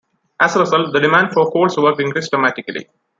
As a result, the demand for Cole's work increased dramatically.